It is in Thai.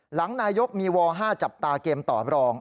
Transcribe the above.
หลังนายกมีว๕จับตาเกมต่อรอง